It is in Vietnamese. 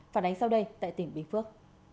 phản ánh sau đây tại tỉnh bình phước